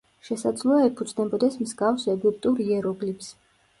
შესაძლოა ეფუძნებოდეს მსგავს ეგვიპტურ იეროგლიფს.